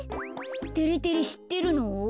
てれてれしってるの？